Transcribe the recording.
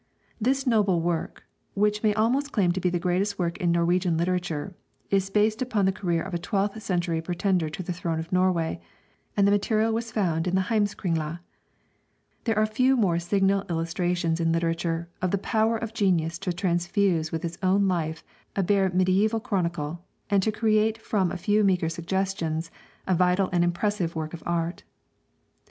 This noble work, which may almost claim to be the greatest work in Norwegian literature, is based upon the career of a twelfth century pretender to the throne of Norway, and the material was found in the 'Heimskringla.' There are few more signal illustrations in literature of the power of genius to transfuse with its own life a bare mediæval chronicle, and to create from a few meagre suggestions a vital and impressive work of art.